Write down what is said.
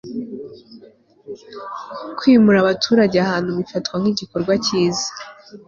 kwimura abaturage ahantu bifatwa nk'igikorwa cyiza